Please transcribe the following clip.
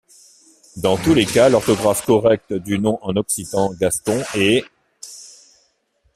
Dans tous les cas, l'orthographe correcte du nom en occitan gascon est '.